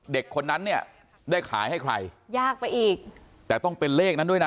เด็กคนนั้นเนี่ยได้ขายให้ใครยากไปอีกแต่ต้องเป็นเลขนั้นด้วยนะ